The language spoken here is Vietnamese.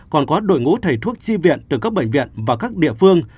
còn có đội ngũ thầy thuốc chi viện từ các bệnh viện và các địa phương